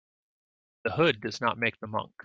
The hood does not make the monk.